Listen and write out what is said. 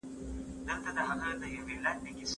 د دولت رئیس باید هوښیار وي.